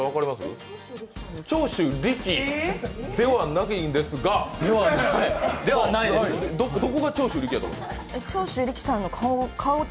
長州力さん？ではないんですが、どこが長州力やと思った？